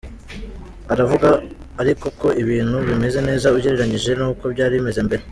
Uravuga ariko ko ibintu bimeze neza ugereranyije nuko byari bimeze mbere.